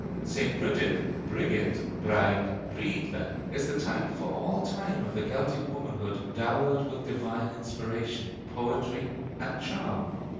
St. Bridget (Brigit, Bride, Breed), then, is the type for all time of the Celtic womanhood dowered with divine inspiration, poetry, and charm.